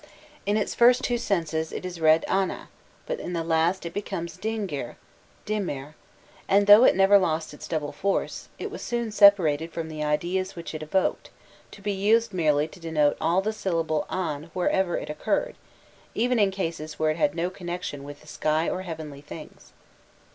In its first two senses it is read ana, but in the last it becomes dingir, dimir; and though it never lost its double force, it was soon separated from the ideas which it evoked, to be used merely to denote the syllable an wherever it occurred, even in cases where it had no connection with the sky or heavenly things.